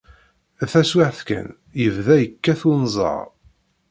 Taswiɛt kan, yebda yekkat unẓar.